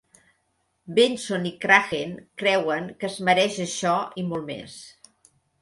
Benson i Cragen creuen que es mereix això i molt més.